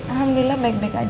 alhamdulillah baik baik aja